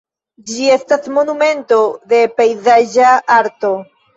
Ĝi estas monumento de pejzaĝa arto.